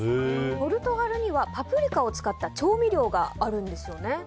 ポルトガルにはパプリカを使った調味料があるんですよね。